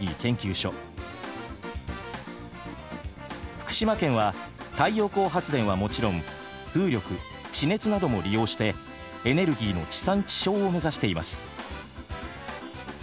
福島県は太陽光発電はもちろん風力地熱なども利用してエネルギーの地産地消を目指しています。